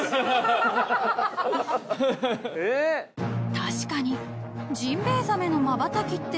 ［確かにジンベエザメのまばたきって］